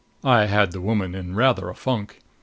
I had the woman in rather a funk.